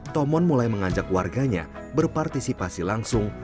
tomon mulai mengajak warganya berpartisipasi langsung